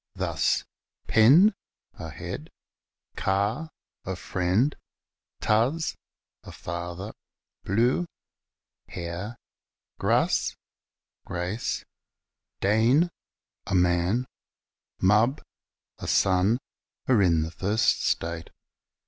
Thus Pen, a head, Car, a friend, Tds, a father, Blew, hair, Gras, grace, Den, a man, Mab, a son, are in their first state.